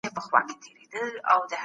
په ټکنالوژۍ کي د ژبي شاملول مهم دي.